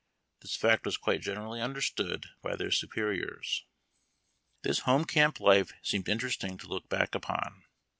This fact was quite generally understood by their superiors. This home camp life seems interesting to look back upon.